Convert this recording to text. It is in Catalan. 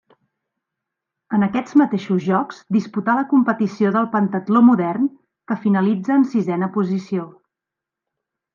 En aquests mateixos Jocs disputà la competició del pentatló modern, que finalitza en sisena posició.